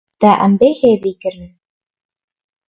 Te em bêhêvî kirin.